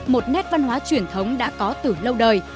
một nét văn hóa truyền thống đã có từ lâu đời